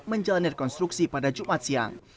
menjalani rekonstruksi pada jumat siang